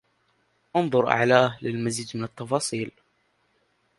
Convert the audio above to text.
انظر أعلاه لمزيد من التفاصيل